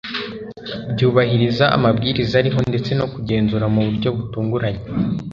byubahiriza amabwiriza ariho ndetse no kugenzura mu buryo butunguranye